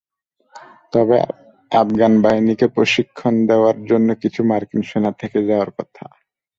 তবে আফগান বাহিনীকে প্রশিক্ষণ দেওয়ার জন্য কিছু মার্কিন সেনা থেকে যাওয়ার কথা।